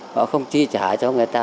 họ không chi trả cho người ta